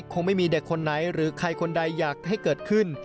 คงไม่มีเด็กคนไหนหรือใครคนใดอยากให้เกิดขึ้น